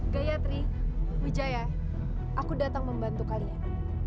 gayatri wijaya aku datang membantu kalian